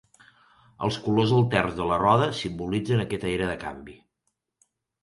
Els colors alterns de la roda simbolitzen aquesta era de canvi.